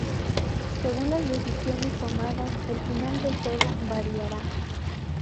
Según las decisiones tomadas, el final del juego variará.